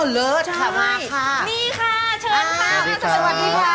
อ๋อเลิศค่ะมาค่ะนี่ค่ะเชิญครับสวัสดีค่ะ